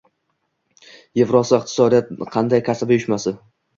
Evrosiyo iqtisodiyot qandaj kasaba uyushmasi?